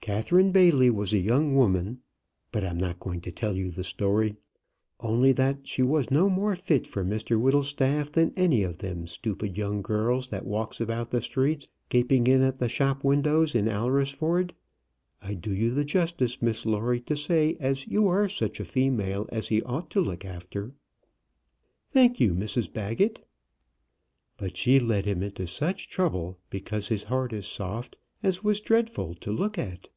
Catherine Bailey was a young woman. But I'm not going to tell you the story; only that she was no more fit for Mr Whittlestaff than any of them stupid young girls that walks about the streets gaping in at the shop windows in Alresford. I do you the justice, Miss Lawrie, to say as you are such a female as he ought to look after." "Thank you, Mrs Baggett." "But she led him into such trouble, because his heart is soft, as was dreadful to look at.